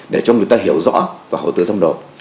để cho người ta hiểu rõ và hỗ trợ thông độ